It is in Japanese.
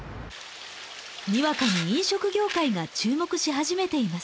にわかに飲食業界が注目し始めています。